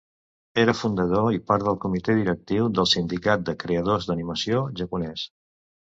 Era fundador i part del comitè directiu del sindicat de creadors d'animació japonès.